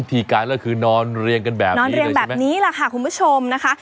พี่กายแล้วคือนอนเรียงกันแบบนี้เลยใช่ไหมนอนเรียงแบบนี้แหละค่ะคุณผู้ชมนะคะ